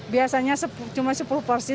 biasanya cuma sepuluh porsi